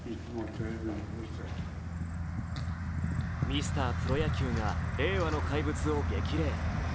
ミスタープロ野球が令和の怪物を激励。